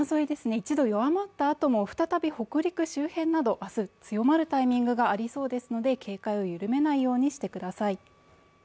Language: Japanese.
一度弱まったあとも再び北陸周辺など明日強まるタイミングがありそうですので警戒を緩めないようにしてください